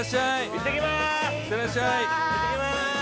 ◆行ってきます。